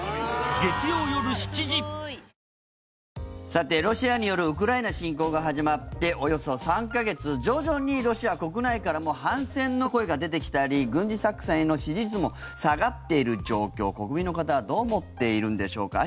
さて、ロシアによるウクライナ侵攻が始まっておよそ３か月徐々にロシア国内からも反戦の声が出てきたり軍事作戦への支持率も下がっている状況、国民の方はどう思っているんでしょうか。